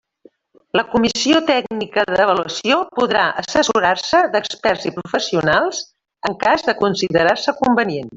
La comissió tècnica d'avaluació podrà assessorar-se d'experts i professionals, en cas de considerar-se convenient.